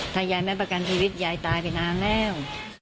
ถ้ายายไม่ประกันชีวิตยายตายไปนานแล้ว